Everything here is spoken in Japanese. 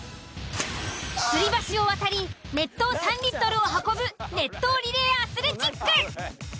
吊り橋を渡り熱湯３リットルを運ぶ熱湯リレーアスレチック。